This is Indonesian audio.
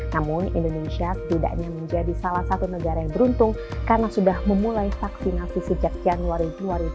namun indonesia setidaknya menjadi salah satu negara yang beruntung karena sudah memulai vaksinasi sejak januari dua ribu dua puluh